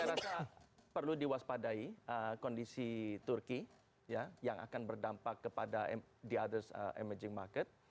saya rasa perlu diwaspadai kondisi turki yang akan berdampak kepada the others emerging market